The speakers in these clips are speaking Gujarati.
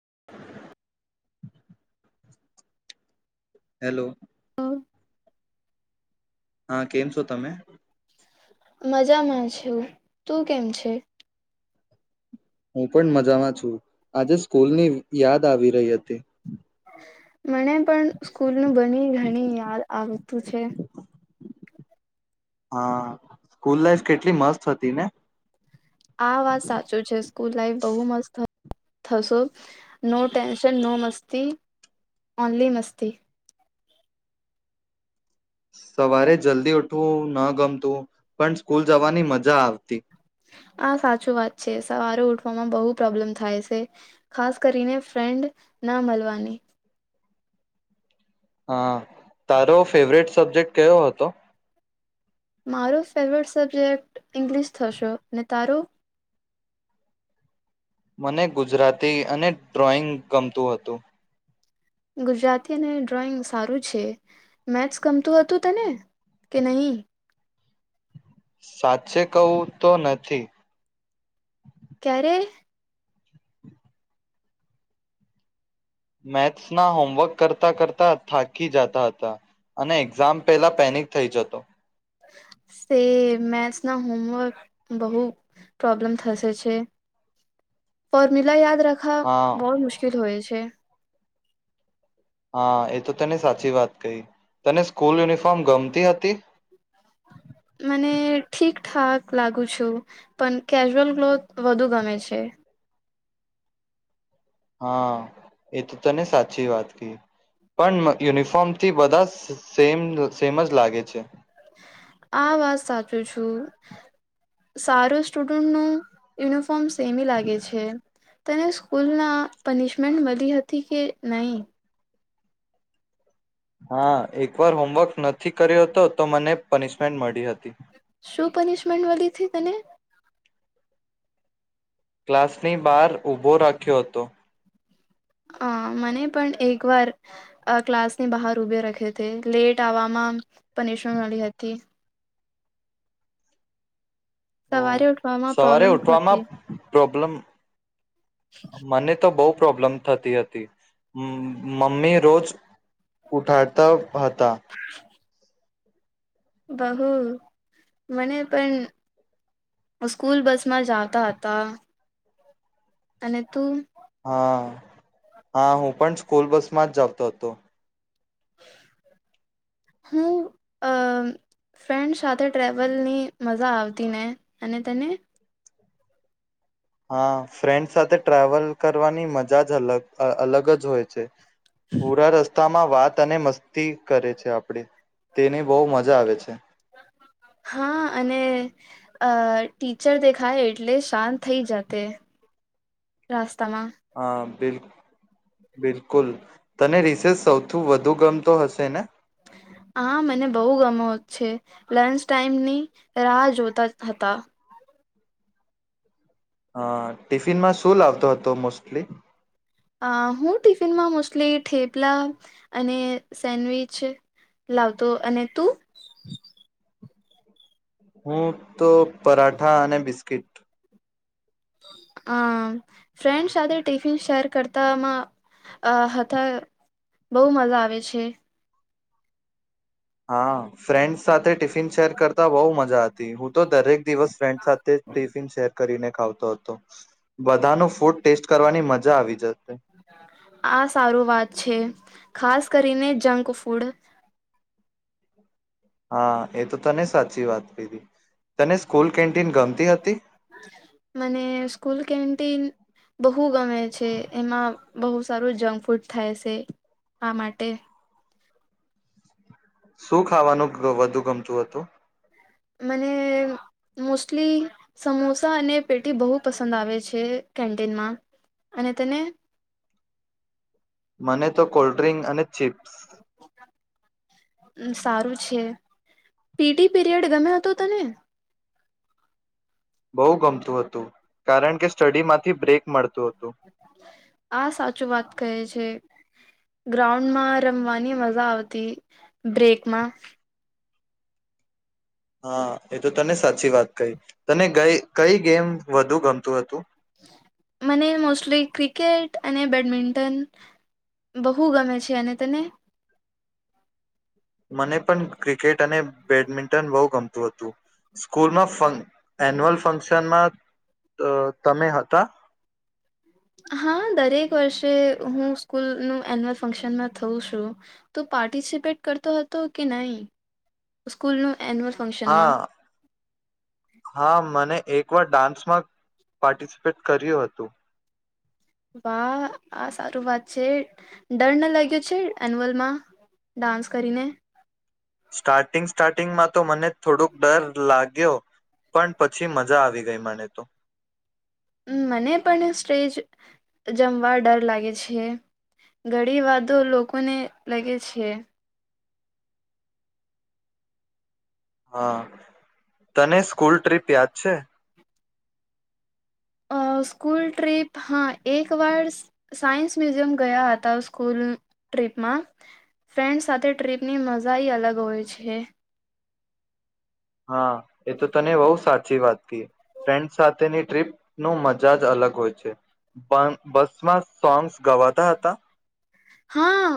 [inaudible] હેલો. હા કેમ છો તમે. મજામાં છું તું કેમ છે. હું પણ મજામાં છું આજે સ્કૂલની યાદ આવી રહી હતી. હા. મને પણ સ્કૂલ નું બની ઘણી યાદ આવ. તું છે. હા સ્કૂલ લાઈફ કેટલી મસ્ત હતી ને. આ થસો નો ટેન્શન નો મસ્તી ઓનલી મસ્તી. સવારે જલ્દી ઉઠવું ન ગમતું પણ સ્કૂલ જવાની મજા આવતી. આા સાચું વાત છે સવારે ઉઠવામાં બહુ પ્રોબ્લેમ થાય છે ખાસ કરીને ફ્રેન્ડ ના મળવાની. હા તારો ફેવરેટ સબ્જેક્ટ કયો હતો. મારો ફેવરેટ સબ્જેક્ટ ઇંગ્લિશ થશો અને તારું. મને ગુજરાતી અને ડ્રોઈંગ ગમતું હતું. ગુજરાતી અને ડ્રોઈંગ સારું છે મેથ્સ ગમતું હતું તને કે નહી. સાચે કવું તો નથી. ક્યારે. મેથ્સના હોમવર્ક કરતાં કરતાં થાકી જતા હતા અને એક્ઝામ પહેલા પેનિક થઈ જતો. તે મેથસ ના હોમવર્ક બહુ પ્રોબ્લેમ થશે છે ફોર્મ્યુલા યાદ. [unintelligible] હા બોહ મુશ્કેલ હોય છે. હા એ તો તને સાચી વાત કહી તને સ્કૂલ યુનિફોર્મ ગમતી હતી. અને ઠીકઠાક લાગુ છું પણ કેજ્યુઅલ ગ્લોથ વધુ ગમે છે. હા એ તો તને સાચી વાત ક પણ યુનિફોર્મ થી બધા સેમ સેમ જ લાગે છે. આ વાત સાચું છું સારું સ્ટુડન્ટ નુ યુનિફોર્મ સેમી લાગે છે તને સ્કૂલ ના પનિશમેન્ટ મળી હતી કે નહી. હા એકવાર હોમવર્ક નથી કર્યો હતો તો મને પનિશમેન્ટ મળી હતી. શુ પનિશમેન્ટ મળીથી તને. ક્લાસની બહાર ઊભો રાખ્યો હતો અ મને પણ એક વાર ક્લાસની બહાર ઉભે રાખે હતી લેટ આવવામાં. પુનિશમેન્ટ મ ળી હતી. ઓહ, સવારે ઉઠવામાં પ્રોબ્લેમ હતી. પ્રબ્લમ. મને તો બઉ. પ્રોબ્લેમ થતી હતી મમ્મી રોજ ઉઠાતા હતા. બહુ મને પણ સ્કૂલ બસ માં જતા હતા. અને તું. હા હા હું પણ સ્કૂલ બસ માં જ જતો તો. હું ફ્રેન્ડ સાથે ટ્રેવલની મજા આવતી ને અને તને. હા ફ્રેન્ડ સાથે ટ્રાવેલ કરવાની મજા જ અલગ અલગ જ હોય છે. પૂરા રસ્ તામાં વાત અને મસ્તી કરે છે, આપણેે તેની બહુ મજા આવે છે. હા અને ટીચર દેખાય એટલે શાંત થઇ જાતેસ્. હા બિલ કુલ બિલકુલ તને રિસેસ સૌથી વધુ ગમતો હશે ને? હા મને બહુ ગમો છે, લંચ ટાઈમની રાહ જોતા હતા. હા ટિફિનમાં શું લાવતો હતો મોસ્ટલી? અ હું ટિફિનમાં મોસ્ટલી ઠેપલા અને સેન્ડવીચ લાવતો અને તું? હું તો. પરાઠા અને બિસ્કીટ. આમ ફ્રેન્ડ સાથે ટિફિન શેર કરતામાં આ હતા બહુ મજા આવે છે. હા ફ્રેન્ડ સાથે ટિફિન શેર કરતા બહુ મજા હતી. હું તો દરેક દિવસ ફ્રેન્ડ સાથે ટિફિન શેર કરીને ખાવતો હતો બધા ન ફ્રુટ ટેસ્ટ કરવાની મજા આવી જતી. આ સારું વાત છે ખાસ કરીને જંકફૂડ. હા એ તો તને સાચી વાત કીધી તને સ્કૂલ કેન્ટીન ગમતી હતી. મને સ્કૂલ કન્ટીન બહુ ગમે છે, એમાં બહુ સારું જંગ ફ્રુટ થાય છે, આ માટે. શું ખાવાનું ગ વધુ ગમતું હતું. મને મોસ્ટલી સમોસા અને પેટી બહુ પસંદ આવે છે, કેન્ટીનમાં અને તને. મને તો કોલ્ડ્રિંક અને ચીપ સારું છે, પીટી પીરિયડ ગમે હતો, તને. બહુ ગમતું હતું, કારણ કે સ્ટડી માંથી બ્રેક મળતું હતું. આ સાચું વાત કહે છે. છે ગ્રાઉન્ડમાં રમવાની મજા આવતી બ્રેકમાં. હા એ તો તને સાચી વાત કહી તને ગઈ કંઈ ગેમ વધુ ગમતું હતું. મને મોસ્ટલી ક્રિકેટ અને બેડમિન્ટન બહુ ગમે છે, અને તને. મને પણ ક્રિકેટ અને બેડમિન્ટન બહુ ગમતું હતું, સ્કૂલમાં ફંક એન્યુઅલ ફંક્શનમાં તા તમે હતા. હા દરેક વર્ષે હું સ્કૂલનું એન્યુઅલ ફંક્શનમાં થઉું છું તો પાર્ટિસિપેટ કરતો હતો, કે નહી સ્કૂલનું. એન્યુઅલ ફંક્શનમાં હા હા મને એક એકવાર ડાન્સમાં પાર્ટિસિપેટ કર્યું હતું. વાહ આ સારું વાત છે, ડર ના લાગે છે, એન્યુઅલમાં ડાન્સ કરીને. સ્ટાર્ટિંગ સ્ટાર્ટિંગમાં તો મને થોડોક ડર લાગ્યો પણ પછી મજા આવી ગઈ મને તો. મા મને પણ સ્ટેજ [unintelligible] ડર લાગે છે, ઘણી વાતો લોકોને લાગે છે. હા તને સ્કૂલ ટ્રીપ યાદ છે. અ સ્કૂલ ટ્રીપ હા એક વાર સાયન્સ મ્યુઝિયમ ગયા હતા, સ્કૂલ ટ્રીપમાં ફ્રેન્ડ્સ સાથે ટ્રીપની મજા એ અલગ હોય છે. હા એ તો તને બહુ સાચી વાત કે ફ્રેન્ડ સાથેની ટ્રીપ નું મજા જ અલગ હોય છે, પણ બસમાં સોન્ગ્સ ગવાતા હતા. હા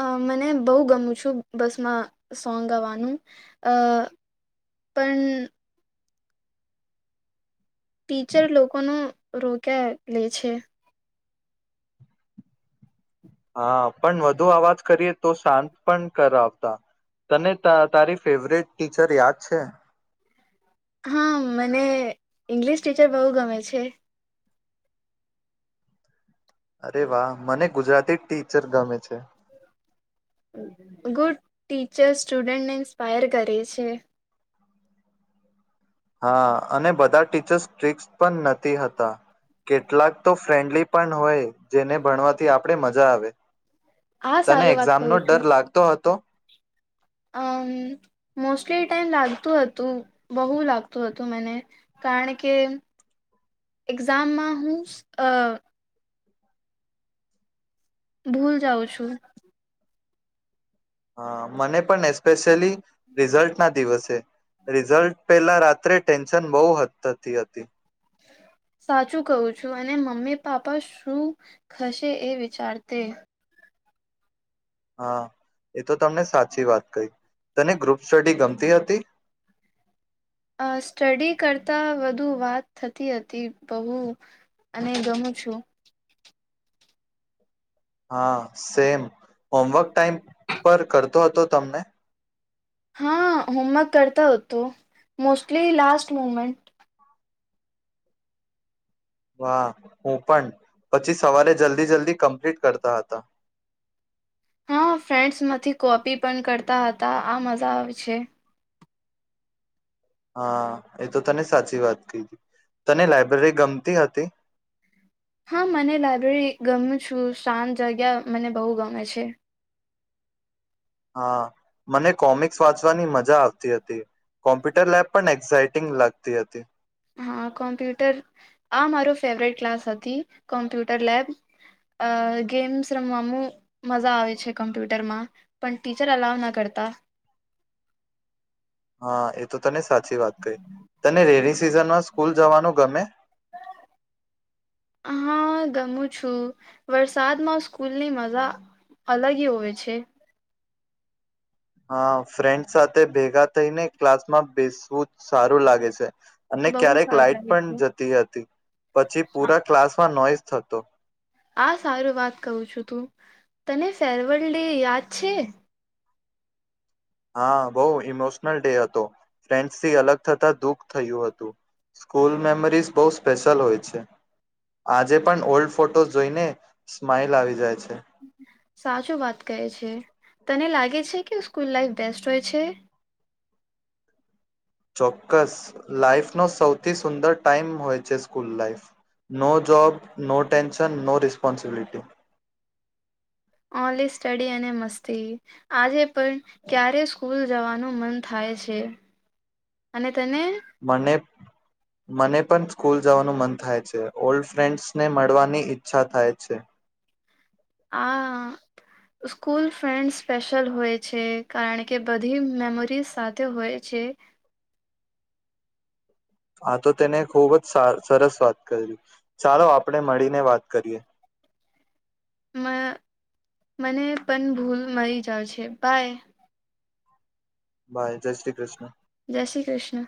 આ મને બહુ ગમું છું, બસમાં સોંગ ગાવાનું અ પણ ટીચર લોકોનો રોક્યા લે છે. હા પણ વધુ અવાજ કરીએ તો શાંત પણ કરાવતા તને તા તારી ફેવરેટ ટીચર યાદ છે. હા મને ઈંગ્લિશ ટીચર બહુ ગમે છે. અરે વાહ મને ગુજરાતી ટીચર ગમે છે. ગુડ ટીચર્સ સ્ટુડન્ટને ઇન્સ્પાયર કરે છે. હા અને બધા ટીચર્ સ્ટ્રિકસ પણ નથી હતા કેટલાક તો ફ્રેન્ડલી પણ હોય જેને ભણવાથી આપણે મજા આવે. આ તને સારું વાત એક્ઝામ નો કરું છું ડર લાગતો હતો? અમ મોસ્ટલી ટાઈમ લાગતું હતું, બહુ લાગતું હતું, મને કારણ કે એક્ઝામમાં હું અ ભૂલ જાઉ છું. હા, મને પણ એસ્પેશયલી રિઝલ્ટ ના દિવસે, રિઝલ્ટ પેલા રાત્રે ટેન્શન બહુ હદ થતી હતી. સાચું કવું છું, અને મમ્મી પાપા શું થશે એ વિચારતે. હા, એ તો તમને સાચી વાત કહી, તને ગ્રુપ સ્ટડી ગમતી હતી? અ સ્ટડી કરતા વધુ વાત થતી હતી. બહુ અને ગમું છું. હા સેમ હોમવર્ક ટાઈમ પર કરતો હતો તમને. હા હોમવર્ક કરતો હો હતો. Mostly last moment. વાહ! હું પણ પછી સવારે જલ્દી જલ્દી કમ્પ્લીટ કરતા હતા. હા, ફ્રેન્ડ્સમાંથી કોપી પણ કરતા હતા આ મજા આવે છે. હા, એ તો તને સાચી વાત કીધી. તને લાયબ્રેરી ગમતી હતી? હા, મને લાયબ્રેરી ગમ છું, શાંત જગ્યા મને બહુ ગમે છે. હા, મને કોમિક્સ વાંચવાની મજા આવતી હતી, કોમ્પ્યુટર લેબ પણ એક્ઝાઈટિંગ લાગતી હતી. હા, કોમ્પ્યુટર આ મારો ફેવરેટ ક્લાસ હતી, કોમ્પ્યુટર લેબ અ ગેમ્સ રમવામાં મજા આવે છે, કોમ્પ્યુટરમાં પણ ટીચર અલાવ ના કરતા. હા, એ તો. તને સાચી વાત કે, તને [unintelligible] સીઝન માં સ્કૂલ જવાનું ગમે? હા ગમું છું, વરસાદમાં સ્કૂલની મજા અલગ હોય છે. હા, ફ્રેન્ડ સાથે ભેગા થઈ ને ક્લાસમાં બેસવું સારું લાગે છે. અને બહુ ક્યારેક સારું લાઈટ લાગે પણ છે જતી હતી, પછી આ પુરા ક્લાસમાં નોઈસ થતો. આ સારું વાત કહું છું તું તને ફેરવેલ ડે યાદ છે? હા બઉ ઈમોશનલ ડે હતો. ફ્રેન્ડસથી અલગ થતા દુઃખ થયું હતું. સ્કૂલ મેમરીઝ બહુ સ્પેશલ હોય છે. આજે પણ ઓલ્ડ ફોટો જોઈને સ્માઈલ આવી જાય છે. સાચું વાત કહે છે, તને લાગે છે કે સ્કૂલ લાઈફ બેસ્ટ હોય છે? ચોક્કસ લાાઈફનો સૌથી સુંદર ટાઈમ હોય છે school life. No job, no tension, no responsibility. Only study અને મસ્તી આજે પણ ક્યારે સ્કૂલ જવાનું મન થાય છે અને તને મને મને પણ સ્કૂલ જવાનું મન થાય છે, ઓલ્ડ ફ્રેન્ડ્સને મળવાની ઈચ્છા થાય છે. આ સ્કૂલ ફ્રેન્ડ સ્પેશ્યલ હોય છે, કારણ કે બધી મેમરીઝ સાથે હોય છે. હા, તો તેને ખૂબ જ સરસ વાત કરી, ચાલો આપણે મળીને વાત કરીએ. મ મને પણ ભૂલ મળી જાવ છે બાય. બાય જય શ્રી કૃષ્ણ. જય શ્રી કૃષ્ણ.